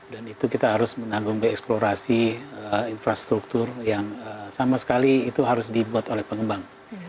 dan itu kita harus menanggung de explorasi infrastruktur yang sama sekali itu harus dibuat oleh pengembang